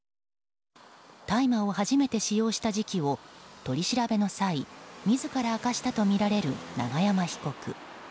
大麻を初めて使用した時期を取り調べの際自ら明かしたとみられる永山被告。